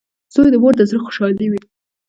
• زوی د مور د زړۀ خوشحالي وي.